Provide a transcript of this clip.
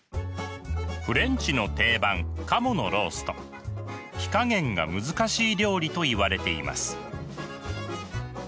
フレンチの定番火加減が難しい料理といわれています。